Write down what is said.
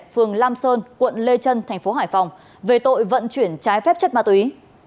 phường lam sơn quận lê trân tp hải phòng về tội vận chuyển trái phép chất ma túy